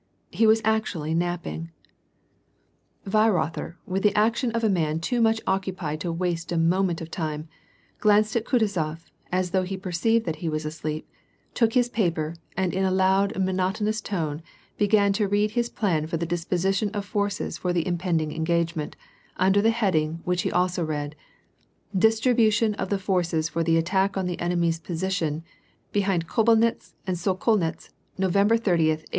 Ho was actually napping ! Weirother, with the action of a man too much occupied to waste a moment of time, glanced at Kutuzof, and though he perceived that he was asleep, took his paper, and in a loud, monotonous tone began to read his plan for the disposition of forces for the impending engagement, under the heading, which he also read, " Distribution of the forces for the attack on the enemy's position behind Kobelnitz and Sokolnitz, November 30, 1805."